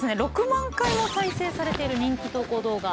６万回も再生されている人気投稿動画。